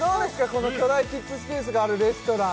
この巨大キッズスペースがあるレストラン